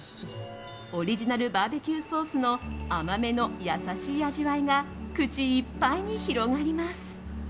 オリジナルバーベキューソースの甘めの優しい味わいが口いっぱいに広がります。